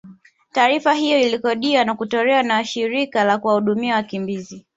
taarifa hiyo iirekodiwa na kutolewa na shirika la kuwahudumia wakimbizi